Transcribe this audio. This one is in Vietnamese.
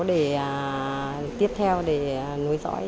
để tiếp theo để nối dõi